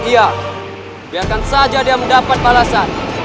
iya biarkan saja dia mendapat balasan